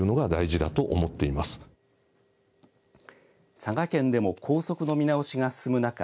佐賀県でも校則の見直しが進むなか